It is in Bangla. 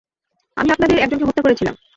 আমি আপনাদের একজনকে হত্যা করেছিলাম।